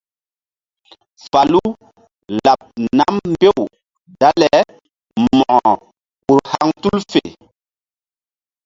Falu nam mbew dale mo̧ko ur haŋ tul fe.